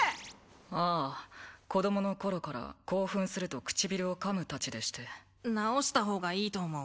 ああ子供の頃から興奮すると唇を噛むタチでして直した方がいいと思う